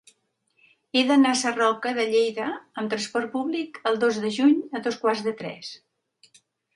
He d'anar a Sarroca de Lleida amb trasport públic el dos de juny a dos quarts de tres.